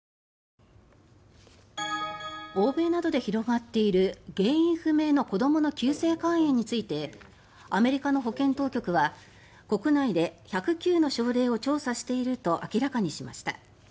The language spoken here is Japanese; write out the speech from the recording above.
欧米などで広がっている原因不明の子どもの急性肝炎についてアメリカの保健当局は国内で１０９の症例を調査していると明らかにしました。